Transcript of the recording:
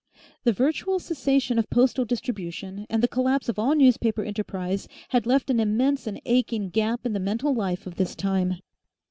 The virtual cessation of postal distribution and the collapse of all newspaper enterprise had left an immense and aching gap in the mental life of this time.